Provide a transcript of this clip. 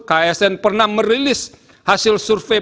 ksn pernah merilis hasil survei